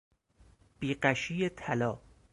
بی غشی طلا